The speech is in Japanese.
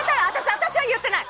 私は言ってない！